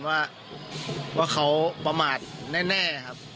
ว่าเขาประมาทแน่ครับ